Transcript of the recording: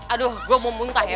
aduh gue mau muntah ya